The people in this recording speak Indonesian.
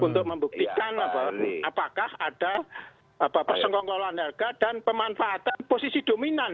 untuk membuktikan apakah ada persengkongkolan harga dan pemanfaatan posisi dominan